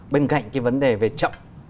bên cạnh cái vấn đề về chậm